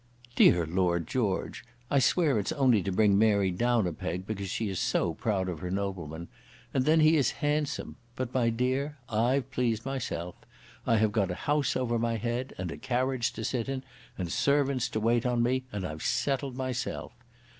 "Dear Lord George! I swear it's only to bring Mary down a peg, because she is so proud of her nobleman. And then he is handsome! But, my dear, I've pleased myself. I have got a house over my head, and a carriage to sit in, and servants to wait on me, and I've settled myself.